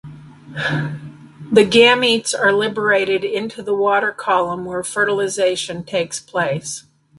The gametes are liberated into the water column where fertilisation takes place.